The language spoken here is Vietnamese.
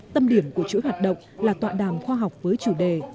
tâm điểm của chuỗi hoạt động là tọa đàm khoa học với chủ đề